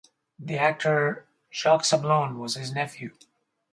The actor Jacques Sablon was his nephew.